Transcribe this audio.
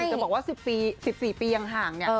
ถือจะบอกว่า๑๔ปียังห่าง